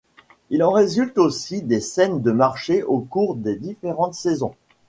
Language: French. Il en résulte aussi des scènes de marché au cours des différentes saisons.